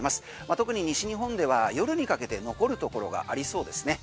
特に西日本では夜にかけて残るところがありそうですね。